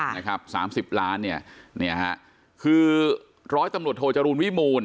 นะครับสามสิบล้านเนี่ยเนี่ยฮะคือร้อยตำรวจโทจรูลวิมูล